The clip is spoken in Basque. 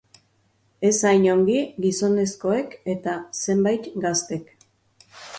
Ez hain ongi gizonezkoek eta zenbait gaztek.